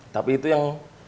tapi itu yang